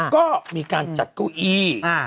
ก็มีการจัดเก้าอี้